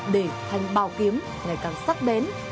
để thanh bào kiếm ngày càng sắc bén